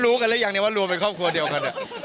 รู้กันหรือยังเนี่ยว่ารวมเป็นครอบครัวเดียวกัน